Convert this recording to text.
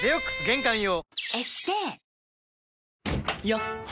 よっ！